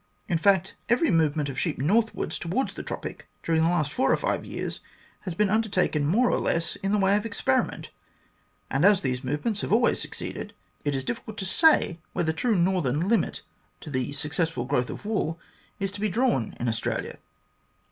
In fact, every movement of sheep northwards towards the Tropic during the last four or five years has been undertaken more or less in the way of experiment, and as these movements have always succeeded, it is difficult to say where the true northern limit to the successful growth of wool is to be drawn in Australia."